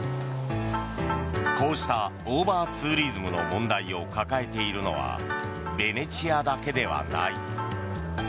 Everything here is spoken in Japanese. こうしたオーバーツーリズムの問題を抱えているのはベネチアだけではない。